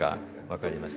分かりました。